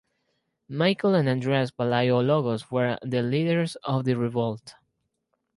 Michael and Andreas Palaiologos were the leaders of the revolt.